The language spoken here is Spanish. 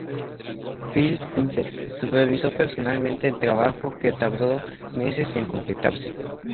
Phil Vincent supervisó personalmente el trabajo, que tardó meses en completarse.